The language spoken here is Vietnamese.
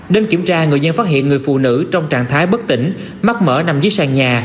đêm kiểm tra người dân phát hiện người phụ nữ trong trạng thái bất tỉnh mắc mở nằm dưới sàn nhà